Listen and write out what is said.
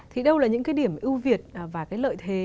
thì đâu là những cái điểm ưu việt và cái lợi thế